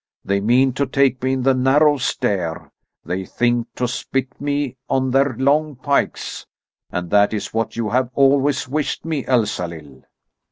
They mean to take me in the narrow stair. They think to spit me on their long pikes. And that is what you have always wished me, Elsalill."